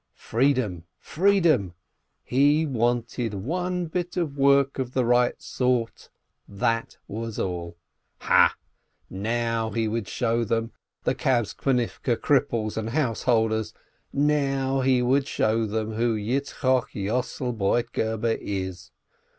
Freedom, freedom — he wanted one bit of work of the right sort, and that was all ! Ha, now he would show them, the Kabtzonivke cripples and householders, now he would show them who Yitz chok Yossel Broitgeber is